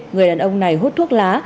người đàn ông này hút thuốc lá